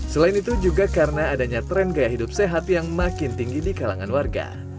selain itu juga karena adanya tren gaya hidup sehat yang makin tinggi di kalangan warga